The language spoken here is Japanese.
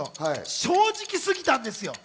正直すぎたんですよ。